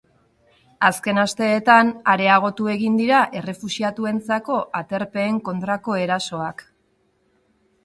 Azken asteetan areagotu egin dira errefuxiatuentzako aterpeen kontrako erasoak.